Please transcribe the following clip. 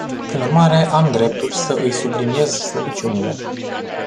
Prin urmare, am dreptul să îi subliniez slăbiciunile.